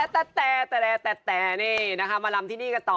แต่แต่นี่นะคะมารำที่นี่กันต่อ